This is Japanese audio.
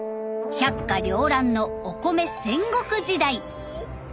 百花繚乱のお米戦国時代！